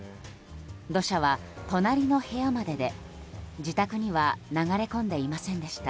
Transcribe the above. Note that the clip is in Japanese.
土砂は隣の部屋までで自宅には流れ込んでいませんでした。